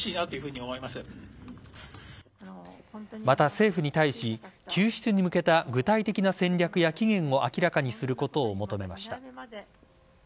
また、政府に対し救出に向けた具体的な戦略や期限を明らかにすることを求めました。